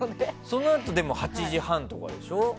そのあと８時半とかでしょ。